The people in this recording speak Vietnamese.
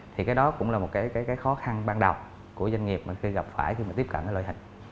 thì cái đó cũng là một cái khó khăn ban đầu của doanh nghiệp mà khi gặp phải khi mà tiếp cận cái loại hình